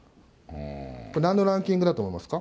これ、なんのランキングだと思いますか。